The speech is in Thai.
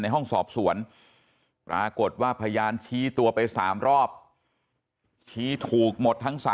ห้องสอบสวนปรากฏว่าพยานชี้ตัวไป๓รอบชี้ถูกหมดทั้ง๓